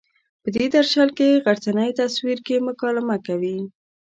په دې درشل کې غرڅنۍ تصور کې مکالمه کوي.